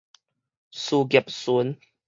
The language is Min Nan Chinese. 事業巡